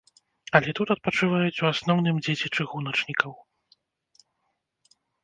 Але тут адпачываюць у асноўным дзеці чыгуначнікаў.